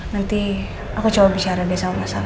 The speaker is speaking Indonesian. nanti aku coba bicara deh sama saya